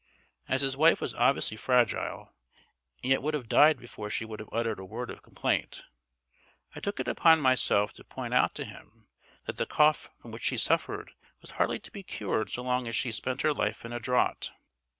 As his wife was obviously fragile, and yet would have died before she would have uttered a word of complaint, I took it upon myself to point out to him that the cough from which she suffered was hardly to be cured so long as she spent her life in a draught.